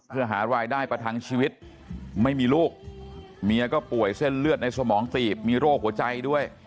เพื่อหารายได้ประทังชีวิตไม่มีลูกเมียก็ป่วยเส้นเลือดในสมองตีบมีโรคหัวใจด้วย